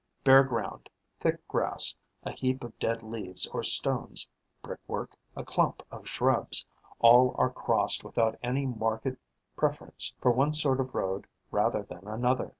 Bare ground, thick grass, a heap of dead leaves or stones, brickwork, a clump of shrubs: all are crossed without any marked preference for one sort of road rather than another.